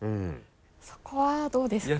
そこはどうですかね？